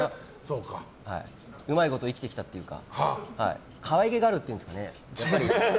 うまいこと生きてきたというか可愛げがあるというんですかね。